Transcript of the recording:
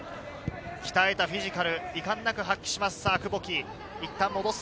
鍛えたフィジカルをいかんなく発揮します。